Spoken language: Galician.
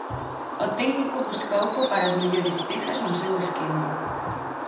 O técnico busca oco para as mellores pezas no seu esquema.